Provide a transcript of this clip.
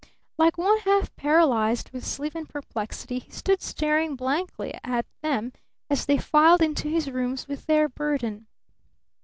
Like one half paralyzed with sleep and perplexity, he stood staring blankly at them as they filed into his rooms with their burden.